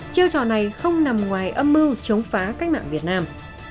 chiêu trò này không nằm ngoài âm mưu chống phá cách mạng việt nam